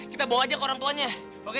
kita bawa aja ke orang tuanya oke